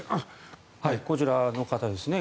こちらの方ですね。